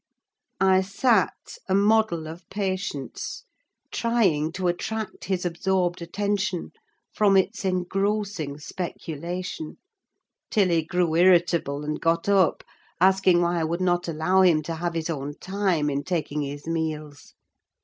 I sat, a model of patience, trying to attract his absorbed attention from its engrossing speculation; till he grew irritable, and got up, asking why I would not allow him to have his own time in taking his meals?